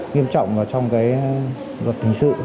nhiêm trọng trong luật hình sự